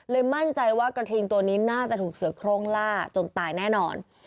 มั่นใจว่ากระทิงตัวนี้น่าจะถูกเสือโครงล่าจนตายแน่นอน